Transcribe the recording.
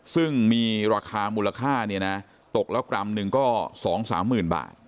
ซึ่งมีราคามูลค่าเนี่ยนะตกแล้วกรัมหนึ่งก็สองสามหมื่นบาท